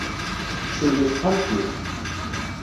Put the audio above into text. Kcem deg texxamt-iw.